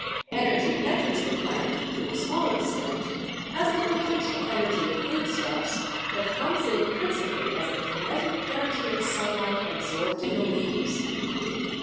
Energy enters the plant, to a small extent, as the potential energy of food stuffs, but comes in principally as the kinetic energy of sunlight absorbed in the leaves.